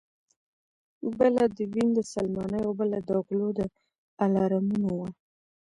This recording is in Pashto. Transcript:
بله د وین د سلماني او بله د غلو د الارمونو وه